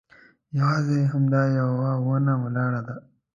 یوازې همدا یوه ونه ولاړه ده.